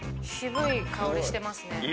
渋い香りしてますね。